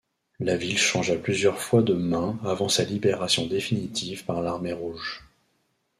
La ville changea plusieurs fois de main avant sa libération définitive par l'Armée rouge.